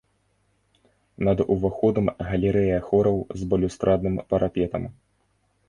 Над уваходам галерэя хораў з балюстрадным парапетам.